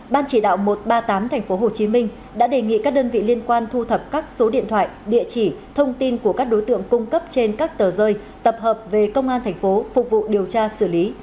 ban chỉ đạo một trăm ba mươi tám tp hcm đã đề nghị các đơn vị liên quan thu thập các số điện thoại địa chỉ thông tin của các đối tượng cung cấp trên các tờ rơi tập hợp về công an thành phố phục vụ điều tra xử lý